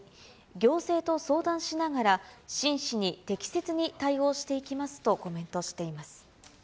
行政と相談しながら、真摯に適切に対応していきますとコメントしています。